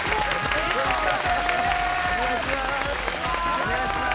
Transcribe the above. お願いします。